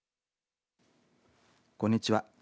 こんにちは。